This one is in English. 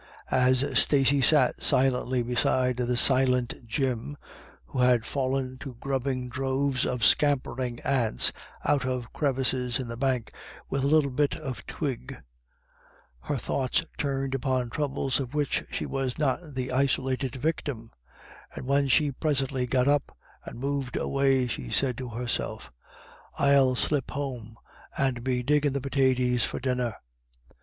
As Stacey sat silently beside the silent Jim, who had fallen to grubbing droves of scampering ants out of crevices in the bank with a little bit of twig, her thoughts turned upon troubles of which she was not the isolated victim ; and when she presently got up and moved away, she said to herself: 224 IRISH IDYLLS. * I'll slip home and be diggin* the pitaties for dinner.